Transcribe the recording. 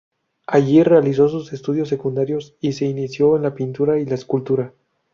Allí realizó sus estudios secundarios y se inició en la pintura y la escultura.